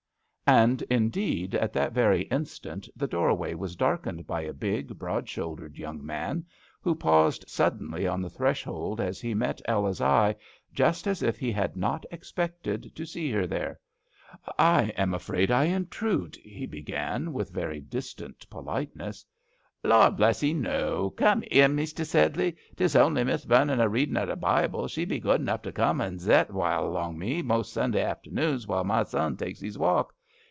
And indeed at that very in stant the doorway was darkened by a big, broad shouldered young man, who paused suddenly on the threshold as he met Ella's eye, just as if he had not ex pected to see her there. "I am afraid I intrude " he began, with very distant polite ness. ",Lord bless *ee, no. Come in, Mester Sedley. 'Tes only Miss Vernon a readin o' the Bible. She be good enough to come and zet a long o' me most Sun day afternoons, while my zon takes 'ees walk.